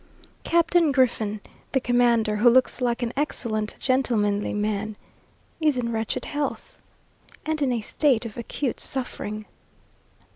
Captain Griffin, the commander, who looks like an excellent, gentlemanly man, is in wretched health, and in a state of acute suffering.